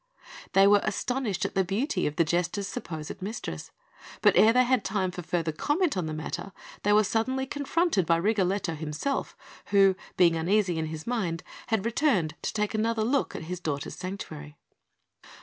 They were astonished at the beauty of the Jester's supposed mistress, but ere they had time for further comment on the matter, they were suddenly confronted by Rigoletto himself, who, being uneasy in his mind, had returned to take another look at his daughter's sanctuary.